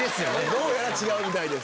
どうやら違うみたいです。